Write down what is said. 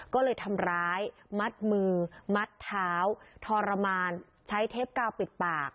ก็เลยทำร้ายมัดมือมัดเท้าทรมานใช้เทปกาวปิดปาก